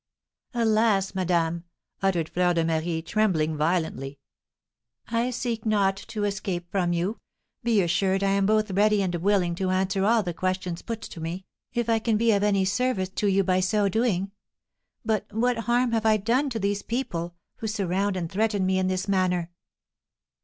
"Alas! madam," uttered Fleur de Marie, trembling violently, "I seek not to escape from you. Be assured, I am both ready and willing to answer all the questions put to me, if I can be of any service to you by so doing. But what harm have I done to these people, who surround and threaten me in this manner?"